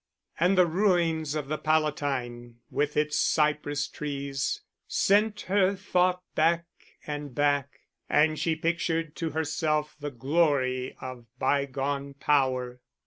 And the ruins of the Palatine with its cypress trees sent her thought back and back, and she pictured to herself the glory of bygone power.